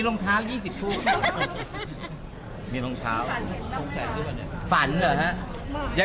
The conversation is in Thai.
เรามีอยู่แค่นี้